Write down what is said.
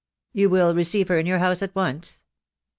"You will receive her in your house at once?"